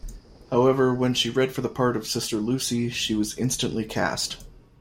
However, when she read for the part of sister Lucy, she was instantly cast.